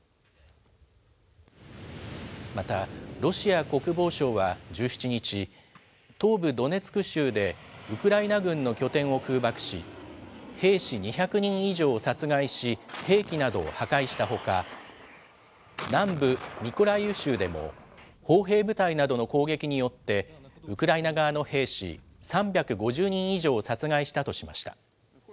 また、ロシア国防省は、１７日、東部ドネツク州でウクライナ軍の拠点を空爆し、兵士２００人以上を殺害し、兵器などを破壊したほか、南部ミコライウ州でも、砲兵部隊などの攻撃によってウクライナ側の兵士３５０人以上を殺害したとしました。